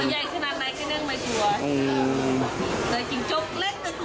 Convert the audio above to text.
ตัวใหญ่ขนาดไหนก็นั่งไม่กลัว